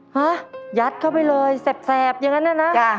ฮะยัดเข้าไปเลยแสบอย่างนั้นนะนะ